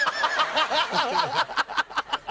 ハハハハ！